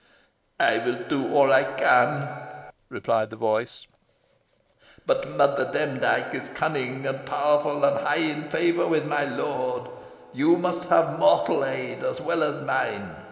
"I will do all I can," replied the voice; "but Mother Demdike is cunning and powerful, and high in favour with my lord. You must have mortal aid as well as mine.